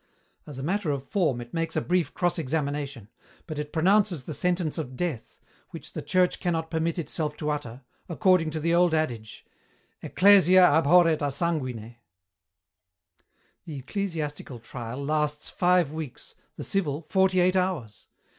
As a matter of form it makes a brief cross examination but it pronounces the sentence of death, which the Church cannot permit itself to utter, according to the old adage, 'Ecclesia abhorret a sanguine.' "The ecclesiastical trial lasts five weeks, the civil, forty eight hours.